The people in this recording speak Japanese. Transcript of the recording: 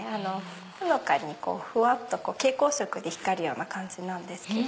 ほのかにふわっと蛍光色で光るような感じなんですけど。